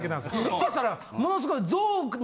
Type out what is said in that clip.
そしたらものすごい。